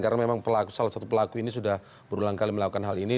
karena memang salah satu pelaku ini sudah berulang kali melakukan hal ini